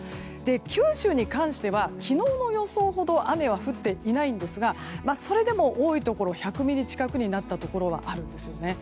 九州に関しては昨日の予想ほど雨は降っていないんですがそれでも多いところ１００ミリ近くになったところがあるんですね。